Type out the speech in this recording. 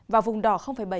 và vùng đỏ bảy